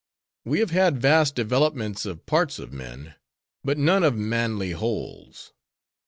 We have had vast developments of parts of men; but none of manly wholes.